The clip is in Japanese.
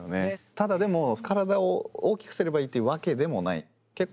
ただでも体を大きくすればいいってわけでもない。